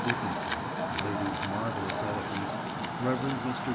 Dickinson (a lady of marvelous eloquence), Rev. Mr.